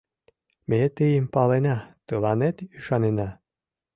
Ме тыйым палена, тыланет ӱшанена.